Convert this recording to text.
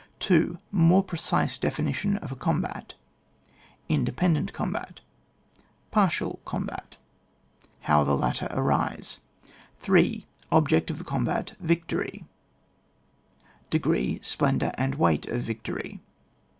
2. More precise definition of a com "bat — ^Independent combat — Partial com bat— ^How the latter arise. 3. Object of the combat : Victory — Degree, splendour, and weight of victory.